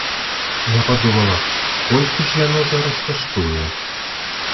Я падумала, колькі ж яно зараз каштуе?